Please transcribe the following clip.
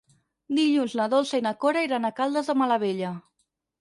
Dilluns na Dolça i na Cora iran a Caldes de Malavella.